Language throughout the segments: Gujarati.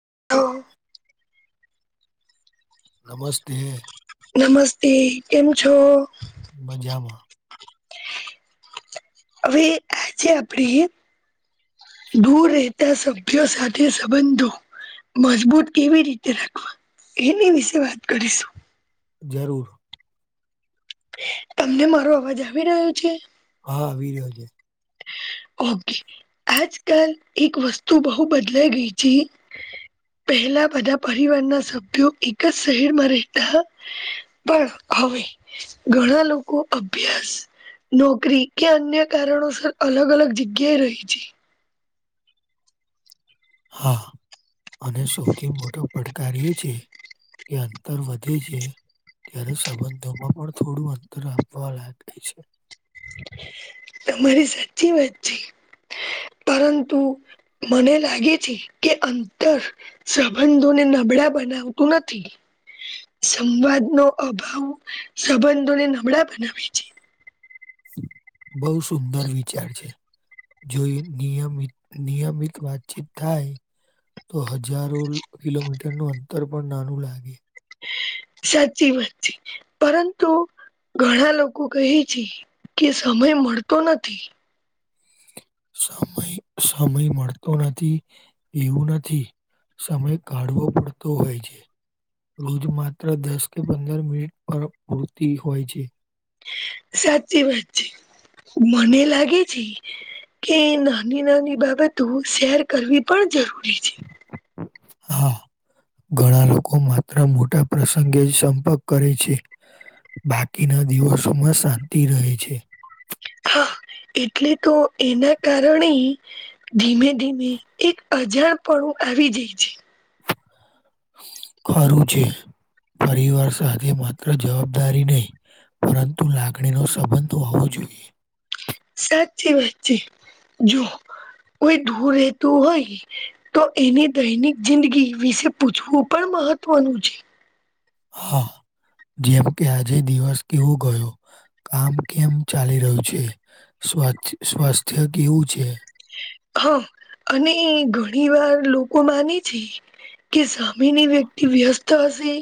[inaudible] [unintelligible] નમસ્તેૈ નમસ્તે, કેમ છો? મજામાં અવે આજ આપણે દૂર રહેતા સભ્યો સાથે સંબંધો મજબૂત કેવી રીતે રાખવા એની વિશે વાત કરીશું. જરૂર તમને મારો અવાજ આવી રહ્યો છે. હા આવી રહ્યો છે. ઓકે આજ કાલ એક વસ્તુ બહ બદલાઈ ગઈ છે. પહેલા બધા પરિવારના સભ્યો એક જ શહેરમાં રહેતા પણ હવે ઘણા લોકો અભ્યાસ, નોકરી કે અન્ય કારણો અલગ અલગ જગ્યાએ રહી છે. હા અને સૌથી મોટો પડકાર એ છે કે અંતર વધે છે. ત્યારે સંબંધોમાં પણ થોડું અંતર આપવા લાગે છે. તમારી સાચી વાત છે. પરંતુ મને લાગે છે કે અંતર સંબંધોને નબળા બનાવતું નથી પણ સંવાદનો અભાવ સંબંધોને નબળા બનાવે છે. શું બહુ સુંદર વિચાર છે. જોઈ નિયમિત નિયમિત વાતચીત થાય. તો હજારો કિલોમીટરનું અંતર પણ નાનું લાગે સાચી વાત છે પરંતુ ઘણા લોકો કહે છે કે સમય મળતો નથી. સમય સમય મળતો નથી, એવું નથી સમય કાઢવો પડતો હોય છે. રોજ માત્ર દસ કે પંદર મિનિટ પર પૂરતી હોય છે. સાચી વાત છે મને લાગે છે કે નાની નાની બાબતો શેર કરવી પણ જરૂરી છે. હા ઘણા લોકો માત્ર મોટા પ્રસંગે જ સંપર્ક કરે છે. બાકીના દિવસોમાં શાંતિ રહે છે. હા એટલે તો એના કારણે ધીમે ધીમે એક અજાણ પણ આવી જાય છે ખરું છે પરિવાર સાથે માત્ર જવાબદારી નહી. પરંતુ લાગણીનો સંબંધ હોવો જોઈએ. સાચી વાત છે, જો કોઈ દૂર રહેતું હોય તો એની દૈનિક જિંદગી વિશે પૂછવું પણ. મહત્વનું છે. હા, જેમ કે આજે દિવસ કેવો ગયો, કામ કેમ ચાલી રહ્યું છે, શી. શું વાત છે સ્વાસ્થ્ય કેવું છે, હા અને ઘણી વાર લોકો માને છે કે સામેની વ્યક્તિ વ્યસ્ત હશે.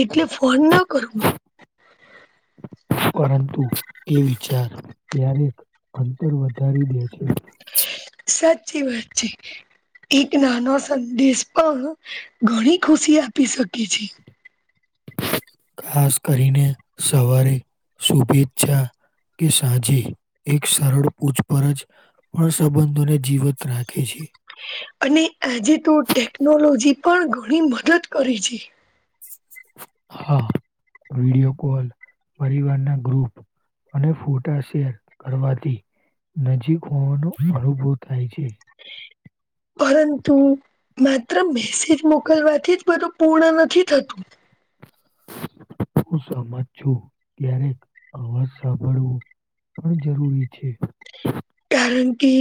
એટલે ફોન ના કરું. પરંતુ એ વિચાર ક્યારેક અંતર વધારી દે છે. સાચી વાત છે. એક નાનો સંદેશ પણ ઘણી ખુશી આપી શકે છે. [unintelligible] [inaudible] ખાસ કરીને સવારે શુભેચ્છા. કે સાંજે એક સરળ પૂછપરછ પણ સંબંધોને જીવત રાખે છે. [inaudible] અને આજે તો ટેકનોલોજી પણ ઘણી મદદ કરે છે. હા વીડીયો કોલ પરિવારના ગ્રુપ. અને ફોટા શેર કરવાથી. નજીક હોવાનો અનુભવ થાય છે. પરંતુ માત્ર મેસેજ મોકલવાથી જ બધું પૂર્ણ નથી થતું. [inaudible] હું સમજ છું ક્યારેક અવાજ સાંભળવું. પણ જરૂરી છે. કારણ કે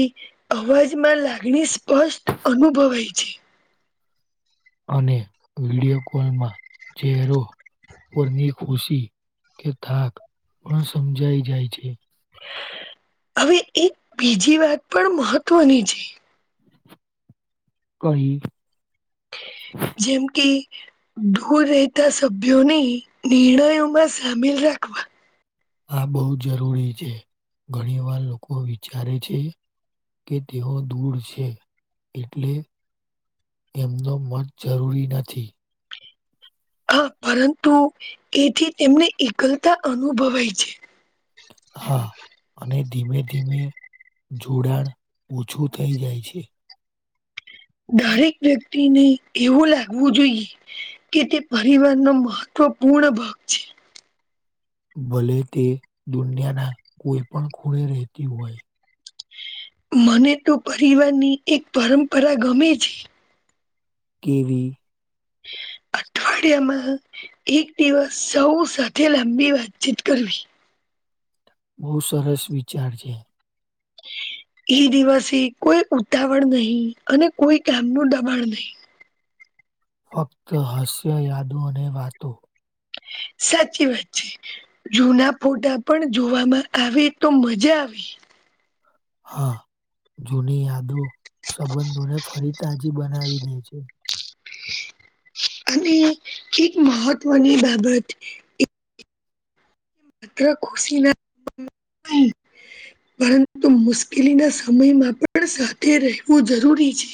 અવાજમાં લાગણી સ્પષ્ટ અનુભવાય છે. અને વિડિયો કોલમાં ચહેરો. પરની ખુશી કે થાક પણ સમજાઈ જાય છે. હવે એક બીજી વાત પણ મહત્વની છે. કહી. જેમ કે. દૂર રહેતા સભ્યોની નિર્ણયોમાં સામેલ રાખવા. આ બહુ જરૂરી છે ઘણીવાર લોકો વિચારે છે. કે તેઓ દૂર છે એટલે એમનો મત જરૂરી નથી. હા પરંતુ એથી તેમને એકલતા અનુભવાય છે. હા અને. ધીમે ધીમે જોડાણ ઓછું થઈ જાય છે. દરેક વ્યકત. તે ની એવું લાગવું જોઈએ કે તે પરિવાર નો મહત્વપૂર્ણ ભાગ છે. ભલે તે દુનિયાના કોઈ પણ ખૂણે રહેતી હોય. મને તો પરિવારની એક પરંપરા ગમે છે. કેવી. [inaudible] અઠવાડિયામાં એક દિવસ સૌ સાથે લાંબી વાતચીત કરવી. બહુ સરસ વિચાર છે [inaudible] એ દિવસે કોઈ ઉતાવળ નહીં અને કોઈ કામનું દબાણ નહીં. ફક્ત હાસ્ય, યાદો અને વાતો. [inaudible] સાચી વાત છે જૂના ફોટા પણ જોવામાં આવે તો મજા આવે. હા જૂની યાદો સંબંધોને ફરી તાજી બનાવી દે છે. અને એક મહત્વની બાબત એ. માત્ર ખુશીના પળો નહીં. પરંતુ મુશ્કેલીના સમયમાં પણ સાથે રહેવું જરૂરી છે.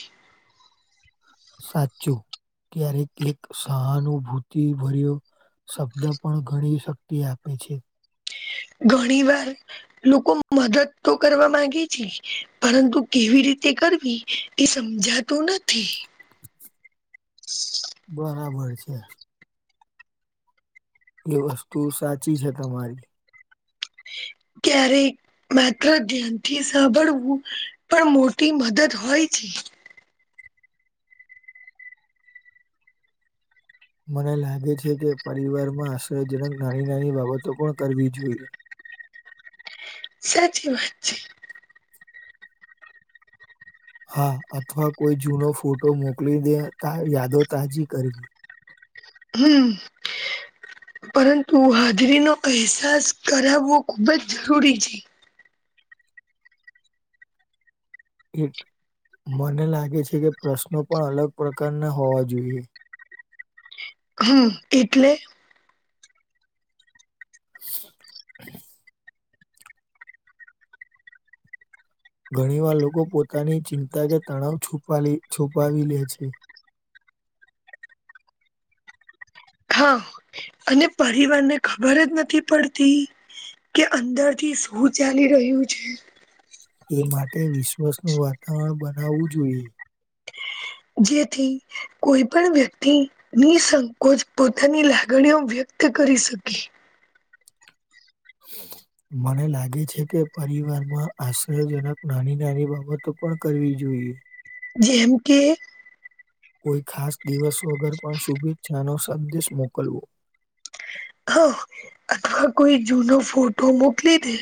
સાચું ક્યારેક એક સહાનુભૂતિ ભર્યું શબ્દો પણ ઘણી શક્તિ આપે છે. ઘણી વાર લોકો મદદ તો કરવા માંગે છે પરંતુ કેવી રીતે તે કરવી એ સમજાતું નથી. બરાબર છે. એ વસ્તુ સાચી છે તમારી [inaudible] ક્યારેક માત્ર ધ્યાનથી સાંભળવું પણ મોટી મદદ હોય છે. [inaudible] મને લાગે છે કે પરિવારમાં આશ્રયજનક નાની નાની બાબતો પણ કરવી જોઈએ. સાચી વાત છે. હા અથવા કોઈ જૂનો ફોટો મોકલી દે યાદો તાજી કરવી. હમ પરંતુ હાજરીનો અહેસાસ કરાવવો ખૂબ જ જરૂરી છે. એક મને લાગે છે કે પ્રશ્નો પણ અલગ પ્રકારના હોવા જોઈએ. હમ એટલે શ ઘણીવાર લોકો પોતાની ચિંતા કે તણાવ છુપાલી છુપાવી લે છે. હા અને પરિવાર ને ખબર જ નથી પડતી કે અંદરથી શું ચાલી રહ્યું છે. એ માટે વિશ્વાસનું વાતાવરણ બનાવવું જોઈએ. જેથી કોઈ પણ વ્યક્તિ નિસંકોચ પોતાની લાગણીઓ વ્યક્ત ત કરી શકે હ મને લાગે છે કે પરિવારમાં આશ્ચર્યજનક નાની નાની બાબતો પણ કરવી જોઈએ. હ જેમ કે. કોઈ ખાસ દિવસ વગર પણ શુભેચ્છાનો સંદેશ મોકલવો. હા અથવા કોઈ જૂનો ફોટો મોકલી દે.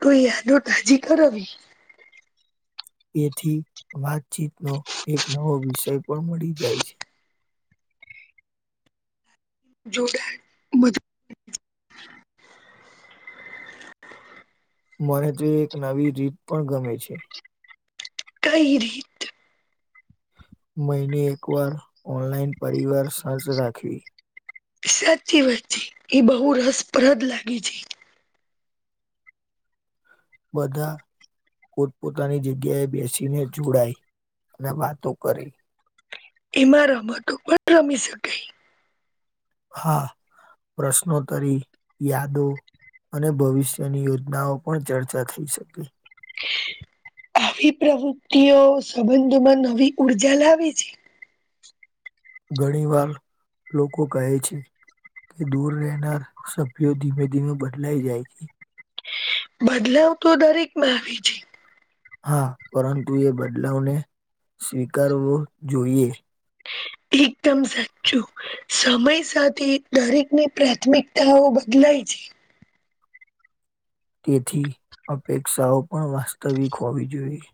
તો યાદો તાજી કરવી એથી વાતચીતનો એક નવો વિષય પણ મળી જાય છે. જોડા બધું મને જે એક નવી રીત પણ ગમે છે. કઈ રીત મહિને એક વાર ઓનલાઈન પરિવાર સાંજ રાખવી. સાચી વાત છે, એ બહુ રસપ્રદ લાગી છે. બધા પોતપોતાની જગ્યાએ બેસીને જોડાઈ ને વાતો કરે એમાં રમતો પણ રમી શકાય. હા પ્રશ્નોતરી, યાદો અને ભવિષ્યની યોજનાઓ પણ ચર્ચા થઈ શકે. હ આવી પ્રવૃતિઓ સંબંધમાં નવી ઉર્જા લાવે છે. ઘણી વાર લોકો કહે છે. કે દૂર રહેનાર સભ્યો ધીમે ધીમે બદલાઈ જાય છે. બદલાવ તો દરેકમાં આવે છે. હા પરંતુ એ બદલાવને સ્વીકારવો જોઈએ. એકદમ. [unintelligible] તેથી અપેક્ષાઓ પણ વાસ્તવિક હોવી જોઈએ.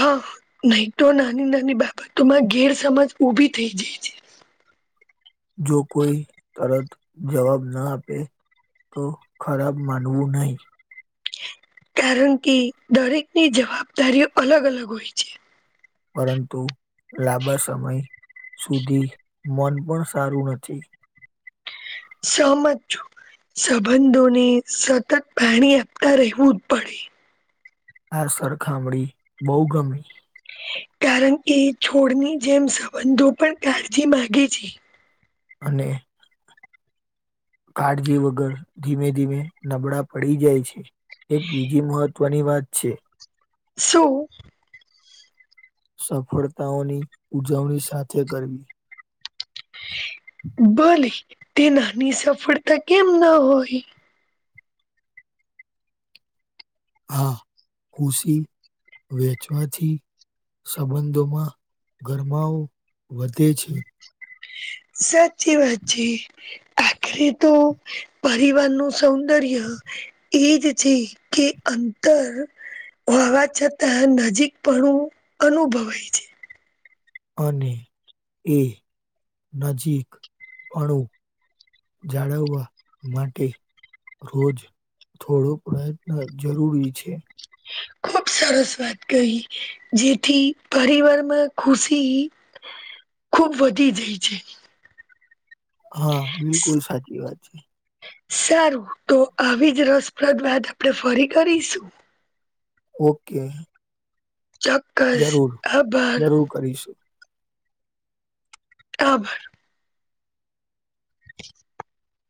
હા નહી તો નાની નાની બાબતોમાં ગેરસમજ ઉભી થઈ જાય છે. જો કોઈ તરત જવાબ ન આપે. તો ખરાબ માનવું નહીં. કારણ કે દરેકની જવાબદારીઓ અલગ અલગ હોય છે. પરંતુ લાબા સમય સુધી મન. પણ સારું નથી. સહમત છું. સંબંધોને સતત પાણી આપતા રહેવું જ પડે. આ સરખામણી બહુ ગમી. કારણ કે છોડની જેમ સંબંધો પણ કાળજી માંગે છે. અને કાળજી વગર ધીમે ધીમે નબળા પડી જાય છે. એક બીજી મહત્ત્વની વાત છે. શું. સફળતાઓની ઉજવણી સાથે કરવી. ભલે તે નાની સફળતા કેમ ન‌ હોય. આ ખુસી વેચવાથી. સંબંધોમાં ગરમાવો વધે છે. સાચી વાત છે. આખરે તો પરિવાર નું સૌંદર્ય એજ છે, કે. અંતર હોવા છતાં નજીકપણું અનુભવાય છે. અને એ નજીકપણું. જાળવવા માટે. રોજ થોડો પ્રયત્ન જરૂરી છે. ખૂબ સરસ વાત કહી જેથી પરિવારમાં ખુશી ખૂબ વધી જાય છે. હા બિલકુલ સાચી વાત છે. સારું તો આવી જ રસપ્રદ વાત આપણે ફરી કરીશું. ઓકે. ચોક્કસ જરૂર આભાર. જરૂર કરીશું. આભાર. [unintelligible] [inaudible]